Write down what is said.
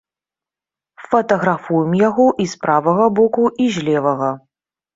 Фатаграфуем яго і з правага боку, і з левага.